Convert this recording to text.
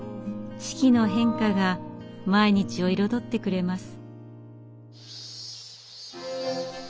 四季の変化が毎日を彩ってくれます。